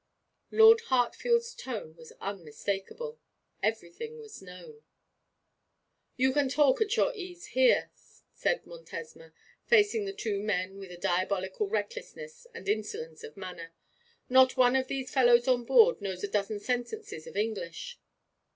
Lord Hartfield's tone was unmistakeable. Everything was known. 'You can talk at your ease here,' said Montesma, facing the two men with a diabolical recklessness and insolence of manner. 'Not one of these fellows on board knows a dozen sentences of English.'